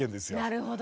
なるほど。